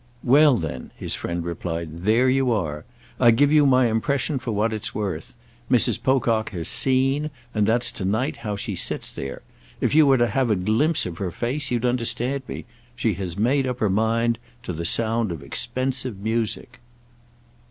"Well then," his friend replied, "there you are; I give you my impression for what it's worth. Mrs. Pocock has seen, and that's to night how she sits there. If you were to have a glimpse of her face you'd understand me. She has made up her mind—to the sound of expensive music."